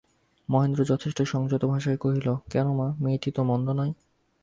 মহেন্দ্র যথেষ্ট সংযত ভাষায় কহিল, কেন মা, মেয়েটি তো মন্দ নয়।